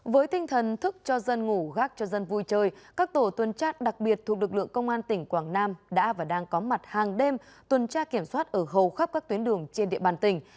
với tinh thần thức cho dân ngủ gác cho dân vui chơi các tổ tuần tra đặc biệt thuộc lực lượng công an tỉnh quảng nam đã và đang có mặt hàng đêm tuần tra kiểm soát ở hầu khắp các tuyến đường trên địa bàn tỉnh